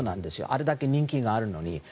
あれだけ人気があるのに。